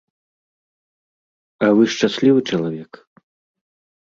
А вы шчаслівы чалавек?